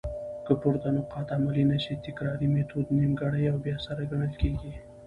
که پورته نقاط عملي نه سي؛ تکراري ميتود نيمګړي او بي اثره ګڼل کيږي.